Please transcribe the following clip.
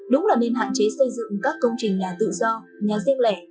đúng là nên hạn chế xây dựng các công trình nhà tự do nhà riêng lẻ